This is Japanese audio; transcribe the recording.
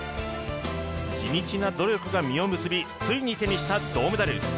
地道な努力が実を結びついに手にした銅メダル。